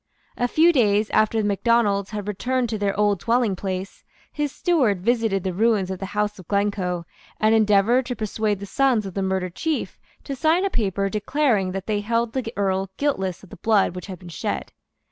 A few days after the Macdonalds had returned to their old dwellingplace, his steward visited the ruins of the house of Glencoe, and endeavoured to persuade the sons of the murdered chief to sign a paper declaring that they held the Earl guiltless of the blood which had been shed.